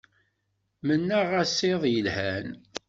Mennaɣ-as iḍ yelhan.